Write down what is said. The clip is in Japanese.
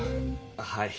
はい。